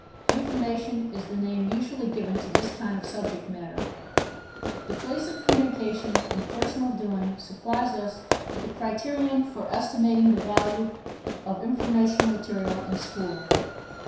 Information is the name usually given to this kind of subject matter. The place of communication in personal doing supplies us with a criterion for estimating the value of informational material in school.